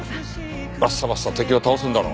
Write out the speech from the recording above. バッサバッサ敵を倒すんだろ。